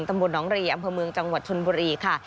ตำรวจน้องรีอำเภอเมืองจังหวัดชนบุรีค่ะ